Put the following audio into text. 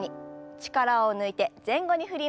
力を抜いて前後に振ります。